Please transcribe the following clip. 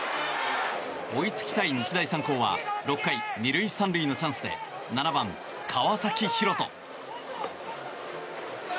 追いつきたい日大三高は６回、２塁３塁のチャンスで７番、川崎広翔。